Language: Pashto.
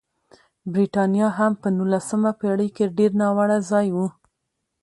برېټانیا هم په نولسمه پېړۍ کې ډېر ناوړه ځای و.